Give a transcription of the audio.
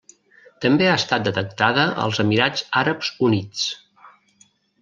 També ha estat detectada als Emirats Àrabs Units.